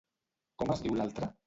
Com es diu l'altre?